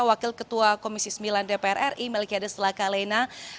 wakil ketua komisi sembilan dpr ri melikiade selakalena